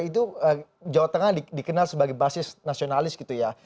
itu jawa tengah dikenal sebagai basis nasionalis gitu ya